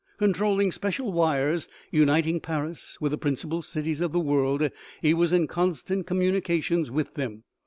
Con trolling special wires uniting Paris with the principal cities of the world, he was in constant communication with them.